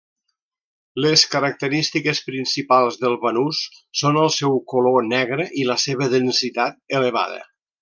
Les característiques principals del banús són el seu color negre i la seva densitat elevada.